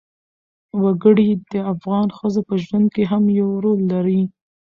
وګړي د افغان ښځو په ژوند کې هم یو رول لري.